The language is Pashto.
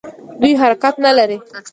دوی حرکت نه لري.